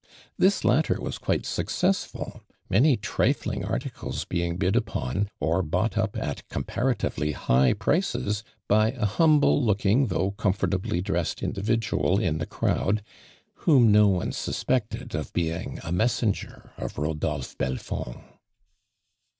This latter wasquite successful, many trifling articles being bid upon, oi' bought up at comparatively high prices by an humble looking though com fortably dressed individual in the crowd, whom no one suspected of being a messen ger of Kodolphe Belfond.